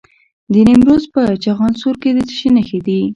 د نیمروز په چخانسور کې د څه شي نښې دي؟